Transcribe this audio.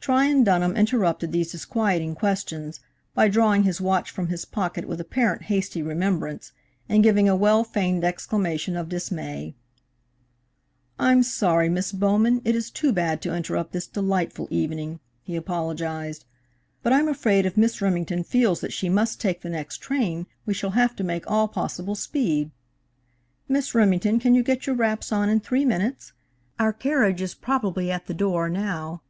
Tryon Dunham interrupted these disquieting questions, by drawing his watch from his pocket with apparent hasty remembrance, and giving a well feigned exclamation of dismay. "I'm sorry, Mrs. Bowman; it is too bad to interrupt this delightful evening," he apologized; "but I'm afraid if Miss Remington feels that she must take the next train, we shall have to make all possible speed. Miss Remington, can you get your wraps on in three minutes? Our carriage is probably at the door now."